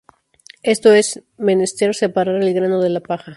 Esto es, es menester separar el grano de la paja.